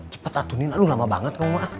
cepet ah tunin lu lama banget kamu